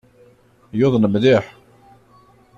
Yuḍen mliḥ.